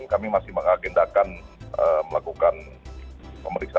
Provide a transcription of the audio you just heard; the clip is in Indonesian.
kami masih mengagendakan melakukan pemeriksaan